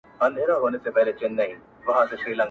لکه باغوان چي پر باغ ټک وهي لاسونه!